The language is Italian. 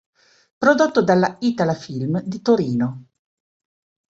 Prodotto dalla Itala Film di Torino.